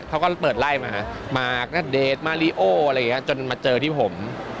เขาก็เปิดไลท์มานะมาเดตมาริโอเจอที่ผม